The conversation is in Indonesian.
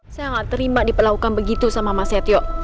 saya nggak terima diperlakukan begitu sama mas setio